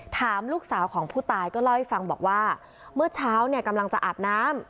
ถามลูกสาวของผู้ตายก็เล่าให้ฟังบอกว่าเมื่อเช้าเนี่ยกำลังจะอาบน้ำ